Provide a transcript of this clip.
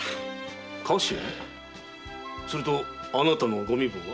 するとあなたのご身分は？